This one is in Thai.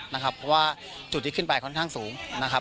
เพราะว่าจุดที่ขึ้นไปค่อนข้างสูงนะครับ